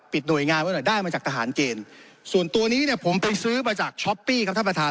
หน่วยงานไว้หน่อยได้มาจากทหารเกณฑ์ส่วนตัวนี้เนี่ยผมไปซื้อมาจากช้อปปี้ครับท่านประธาน